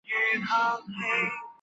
为琉球乡最短乡道。